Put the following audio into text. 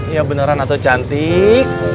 iya beneran atuh cantik